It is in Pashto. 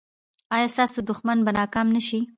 ایا ستاسو دښمن به ناکام نه شي؟